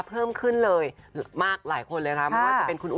เพิ่มขึ้นเลยมากหลายคนเลยค่ะ